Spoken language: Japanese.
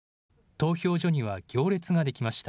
投票所には行列ができました。